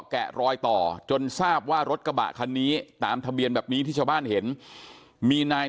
แกะรอยต่อจนทราบว่ารถกระบะคันนี้ตามทะเบียนแบบนี้ที่ชาวบ้านเห็นมีนาย